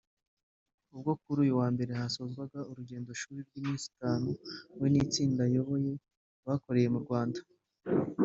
ubwo kuri uyu wa mbere hasozwaga urugendo shuri rw’iminsi itatu we n’itsinda ayoboye bakoreye mu Rwanda